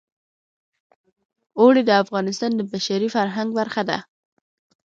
اوړي د افغانستان د بشري فرهنګ برخه ده.